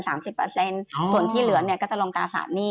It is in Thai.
ส่วนที่เหลือก็จะลงตราสาดหนี้